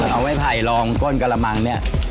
เอาไม้ไผ่ลองก้นกระมังเนี่ย